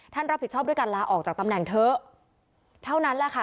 รับผิดชอบด้วยการลาออกจากตำแหน่งเถอะเท่านั้นแหละค่ะ